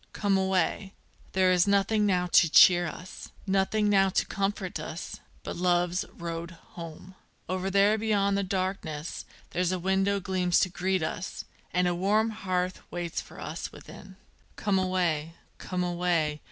come away! there is nothing now to cheer us Nothing now to comfort us, but love's road home: Over there beyond the darkness there's a window gleams to greet us, And a warm hearth waits for us within._ Come away! come away!